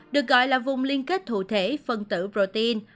được gọi là vùng liên kết thụ thể phân tử protein